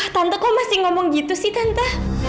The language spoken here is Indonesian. tante kok masih ngomong begitu sih tante